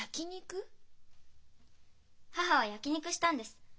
母は焼き肉したんです。